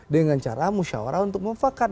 dengan cara musyawarah untuk mufakat